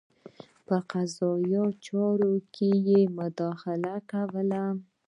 په قضايي چارو کې یې مداخله کوله.